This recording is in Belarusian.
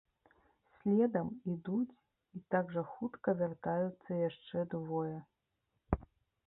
Следам ідуць і так жа хутка вяртаюцца яшчэ двое.